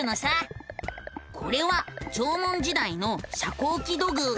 これは縄文時代の遮光器土偶。